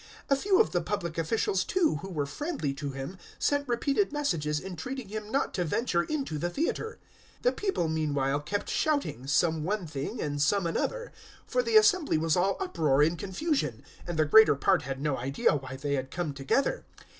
019:031 A few of the public officials, too, who were friendly to him, sent repeated messages entreating him not to venture into the Theatre. 019:032 The people, meanwhile, kept shouting, some one thing and some another; for the assembly was all uproar and confusion, and the greater part had no idea why they had come together.